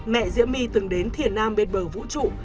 mẹ diễm my từng đến thiền nam bên bờ vũ trụ